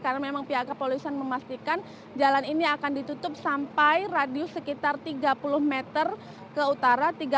karena memang pihak kepolisian memastikan jalan ini akan ditutup sampai radius sekitar tiga puluh meter ke utara